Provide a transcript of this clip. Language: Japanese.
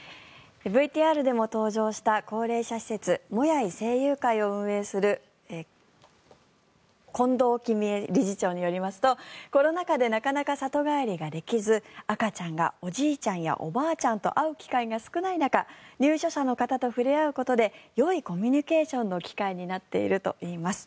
ＶＴＲでも登場した高齢者施設、もやい聖友会を運営する権頭喜美恵理事長によりますとコロナ禍でなかなか里帰りができず赤ちゃんがおじいちゃんやおばあちゃんと会う機会が少ない中入所者の方と触れ合うことでよいコミュニケーションの機会になっているといいます。